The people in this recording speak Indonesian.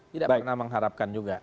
tidak pernah mengharapkan juga